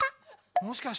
もしかして。